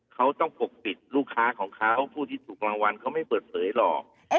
เขาต้องปกปิดลูกค้าของเขาผู้ที่ถูกรางวัลเขาไม่เปิดเผยหรอก